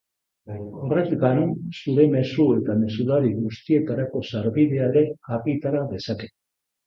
Horrez gain, zure mezu eta mezulari guztietarako sarbidea ere argitara dezaket.